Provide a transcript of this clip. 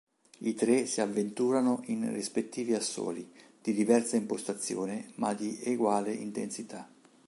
I tre si avventurano in rispettivi assoli di diversa impostazione, ma di eguale intensità.